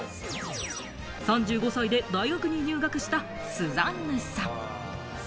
３５歳で大学に入学したスザンヌさん。